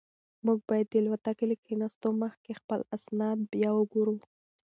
موږ باید د الوتکې له کښېناستو مخکې خپل اسناد بیا وګورو.